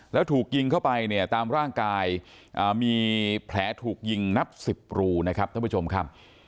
แล้วถูกยิงเข้าไปเนี่ยตามร่างกายมีแผลถูกยิงนับ๑๐รูนะครับท่านผู้ชมครับ